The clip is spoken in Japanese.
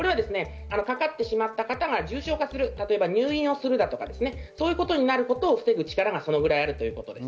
かかってしまった方が重症化する、入院をするとか、そういうことになることを防ぐ力があるということです。